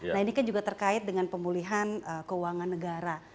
nah ini kan juga terkait dengan pemulihan keuangan negara